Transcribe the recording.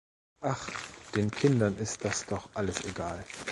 Ach, den Kindern ist das doch alles egal!